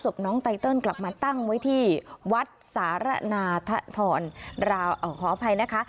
ศพน้องไตเติลกลับมาตั้งไว้ที่วัดสารนาธรขออภัยนะคะ